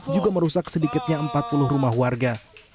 juga merusak sedikitnya empat puluh rumah warga